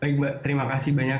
baik mbak terima kasih banyak